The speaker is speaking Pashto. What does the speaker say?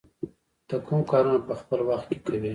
ته کوم کارونه په خپل وخت کې کوې؟